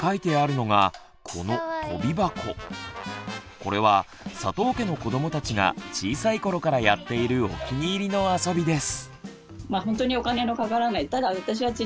これは佐藤家の子どもたちが小さい頃からやっているお気に入りの遊びです。